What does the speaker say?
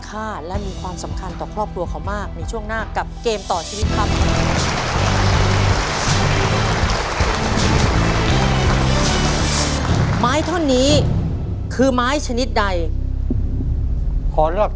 ขอเลือกตัวที่หนึ่งครับ